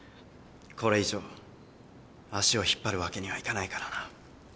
これ以上足を引っ張るわけにはいかないからな。